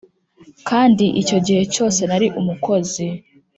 kandi icyo gihe cyose nari umukozi